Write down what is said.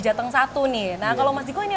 jateng satu nih nah kalau mas diko ini